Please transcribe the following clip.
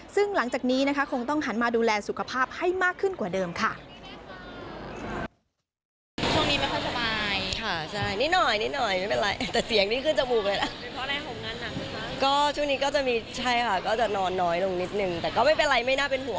ซึ่งหลังจากนี้นะคะคงต้องหันมาดูแลสุขภาพให้มากขึ้นกว่าเดิมค่ะ